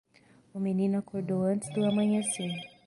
O menino acordou antes do amanhecer.